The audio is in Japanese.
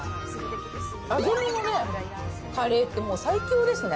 揚げ物でカレーって最強ですね。